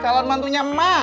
calon menantunya emak